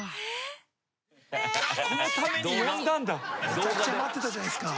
めちゃくちゃ待ってたじゃないですか。